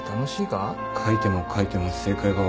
書いても書いても正解が分からなくて。